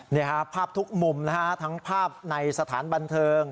นี่ครับภาพทุกมุมนะฮะทั้งภาพในสถานบันเทิง